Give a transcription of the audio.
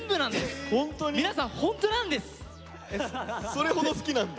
それほど好きなんだ。